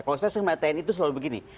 kalau saya sepertinya tni itu selalu begini